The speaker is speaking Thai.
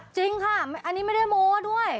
จริงค่ะอันนี้ไม่ได้โม้ด้วย